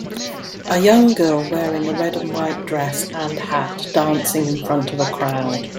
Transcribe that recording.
A young girl wearing a red and white dress and hat dancing in front of a crowd